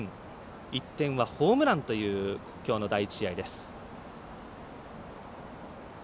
１点はホームランというきょうの第１試合です。